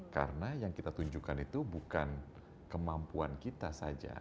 karena yang kita tunjukkan itu bukan kemampuan kita saja